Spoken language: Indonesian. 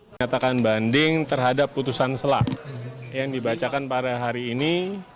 menyatakan banding terhadap putusan selah yang dibacakan pada hari ini